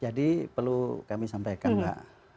jadi perlu kami sampaikan mbak